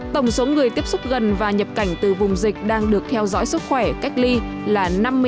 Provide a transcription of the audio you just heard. tổng số người tiếp xúc gần và nhập cảnh từ vùng dịch đang được theo dõi sức khỏe cách ly là năm mươi hai một trăm chín mươi sáu